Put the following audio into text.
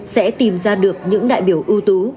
sẽ tìm ra được những đại biểu ưu tú